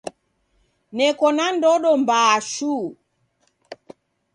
Neko na ndodo mbaa shuu.